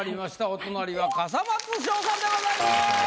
お隣は笠松将さんでございます。